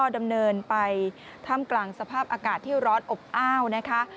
ดำเนินไปท่ามกลางสภาพอากาศที่ร้อนอบอ้าวนะคะ